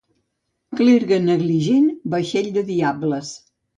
Clergue negligent, vaixell de diables.